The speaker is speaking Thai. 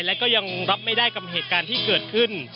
และก็ยังรับไม่ได้กับเหตุการณ์ที่เกิดขึ้น